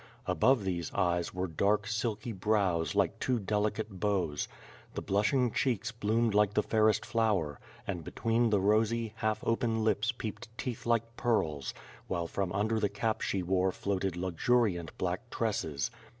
Above these eyes were dark, silky brows, like two delicate bows. Tlie blushing cheeks bloomed like the fairest flower; and between the rosy, half open lips peeped teeth like pearls, while from under the cap she wore floated luxuriant black tresses.